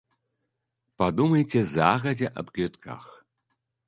Падумайце загадзя аб квітках.